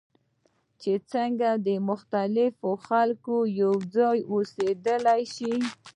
چې څنګه مختلف خلک یوځای اوسیدلی شي.